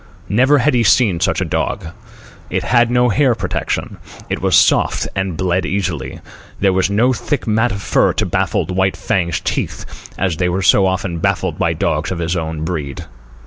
Never had he seen such a dog. It had no hair protection. It was soft, and bled easily. There was no thick mat of fur to baffle White Fang's teeth as they were often baffled by dogs of his own breed.